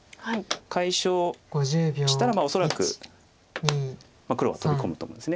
解消したら恐らく黒は飛び込むと思うんです。